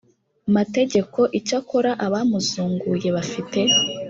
mategeko Icyakora abamuzunguye bafite